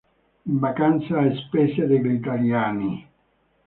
In vacanza a spese degli italiani!